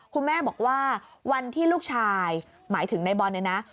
คุณแม่บอกว่าวันที่ลูกชายหมายถึงนายบอลนะ